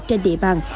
trên địa bàn